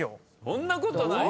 そんなことない。